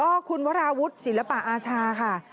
ลุยมสินวรวราวุธศิลปอาชาค่ะ